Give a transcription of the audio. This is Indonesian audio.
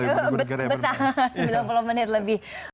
betul sembilan puluh menit lebih